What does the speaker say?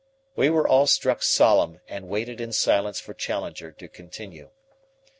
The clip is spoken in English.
We were all struck solemn and waited in silence for Challenger to continue.